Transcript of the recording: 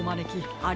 あれ？